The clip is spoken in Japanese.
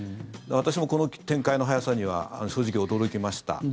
私もこの展開の早さには正直、驚きました。